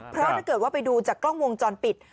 เพราะถ้าเกิดว่าไปดูจากกล้องวงจรปิด